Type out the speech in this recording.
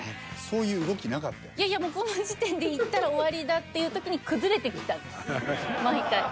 いやいやもうこの時点でいったら終わりだっていう時に崩れてきた毎回。